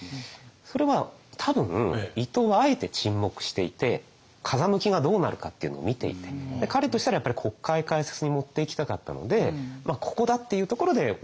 それは多分伊藤はあえて沈黙していて風向きがどうなるかっていうのを見ていて彼としたらやっぱり国会開設に持っていきたかったのでここだっていうところで大隈を切る。